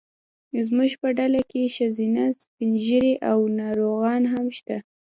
زموږ په ډله کې ښځینه، سپین ږیري او ناروغان هم شته.